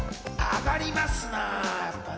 上がりますな。